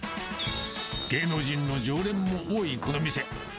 芸能人の常連も多いこの店。